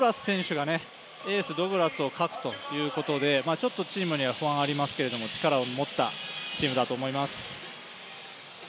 エース、ド・グラス選手を欠くということでちょっとチームには不安がありますけど、力を持ったチームだと思います。